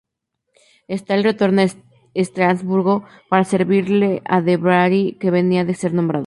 Stahl retorna a Estrasburgo para servir a de Bary que venía de ser nombrado.